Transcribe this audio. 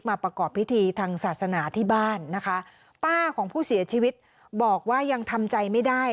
ประกอบพิธีทางศาสนาที่บ้านนะคะป้าของผู้เสียชีวิตบอกว่ายังทำใจไม่ได้